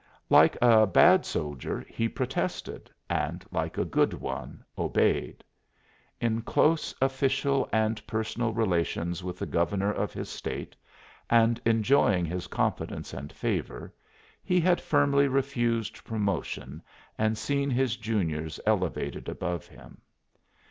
Like a bad soldier he protested, and like a good one obeyed. In close official and personal relations with the governor of his State, and enjoying his confidence and favor, he had firmly refused promotion and seen his juniors elevated above him.